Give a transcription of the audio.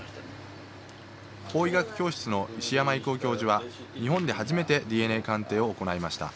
法医学教室の石山夫教授は日本で初めてＤＮＡ鑑定を行いました。